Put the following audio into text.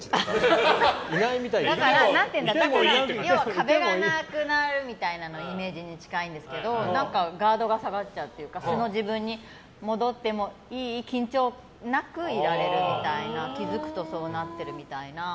要は壁がなくなるみたいなイメージに近いですけど何かガードが下がっちゃうというか素の自分に戻ってもいい緊張感なくいれるみたいな気づくとそうなっているみたいな。